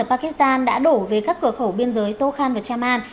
ở pakistan đã đổ về các cửa khẩu biên giới tô khan và chaman